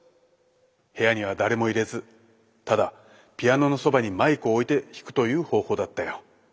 部屋には誰も入れずただピアノのそばにマイクを置いて弾くという方法だったよ。